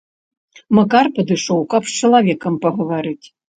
Макар падышоў, каб з чалавекам пагаварыць.